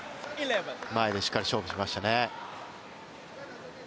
前でしっかり勝負しましたね。